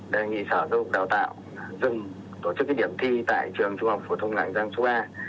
đề nghị sở dục đào tạo dùng tổ chức điểm thi tại trường trung học phổ thông lạng giang số ba